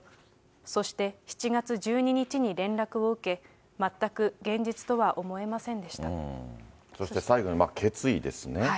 そして７月１２日に連絡を受け、全く現実とは思えませんでしたそして最後に決意ですね。